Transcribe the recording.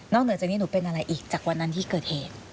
เหนือจากนี้หนูเป็นอะไรอีกจากวันนั้นที่เกิดเหตุ